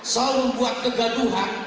selalu membuat kegaduhan